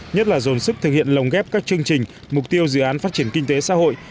nhất là dồn sức thực hiện lồng ghép các chương trình mục tiêu dự án phát triển kinh tế xã hội